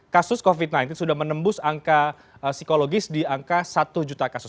kasus covid sembilan belas sudah menembus angka psikologis di angka satu juta kasus